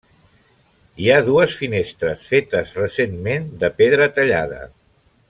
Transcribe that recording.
Hi ha dues finestres, fetes recentment, de pedra tallada.